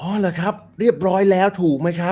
เหรอครับเรียบร้อยแล้วถูกไหมครับ